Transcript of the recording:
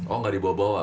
oh gak dibawa bawa